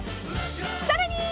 ［さらに］